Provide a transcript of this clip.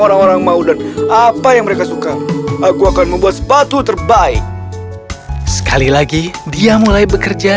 orang orang mau dan apa yang mereka suka aku akan membuat sepatu terbaik sekali lagi dia mulai bekerja